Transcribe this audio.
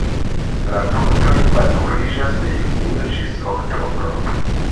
La fruktoj maturiĝas de junio ĝis oktobro.